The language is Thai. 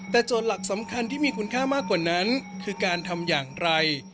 แต่โจทย์หลักสำคัญที่มีคุณค่ามากกว่านั้นคือการทำอย่างไร